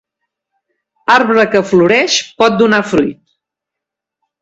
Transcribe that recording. Arbre que floreix pot donar fruit.